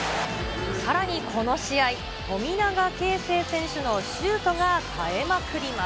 さらにこの試合、富永啓生選手のシュートがさえまくります。